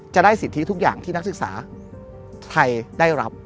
จะได้สิทธิทุกอย่างที่นักศึกษาไทยได้รับ